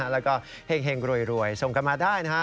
แล้วก็เฮ่งรวยส่งกันมาได้